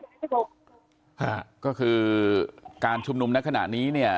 คุณพระเจ้าบอกก็คือการชุมนุมในขณะนี้เนี่ย